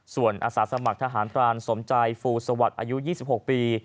ส่วนอาสาสมัครทหารพลานสมใจฟูศวัสตร์อายุยี่สิบหกปี